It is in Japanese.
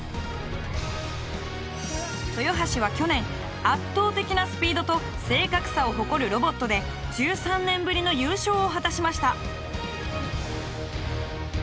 豊橋は去年圧倒的なスピードと正確さを誇るロボットで１３年ぶりの優勝を果たしました。